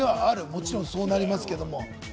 もちろんそうなりますけど。